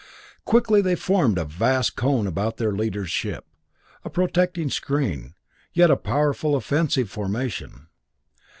Quickly they formed a vast cone about their leader's ship, a protecting screen, yet a powerful offensive formation.